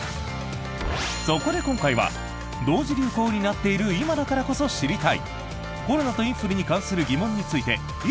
そこで今回は同時流行になっている今だからこそ知りたい！